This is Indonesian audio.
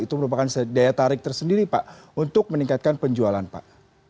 itu merupakan daya tarik tersendiri pak untuk meningkatkan penjualan pak